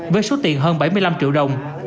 với số tiền hơn bảy mươi năm triệu đồng